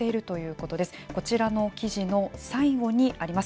こちらの記事の最後にあります。